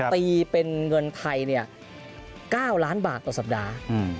ตีเป็นเงินไทย๙ล้านบาทต่อสัปดาห์